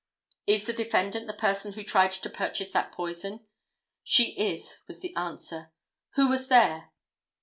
"Is the defendant the person who tried to purchase this poison?" "She is," was the answer. "Who was there?"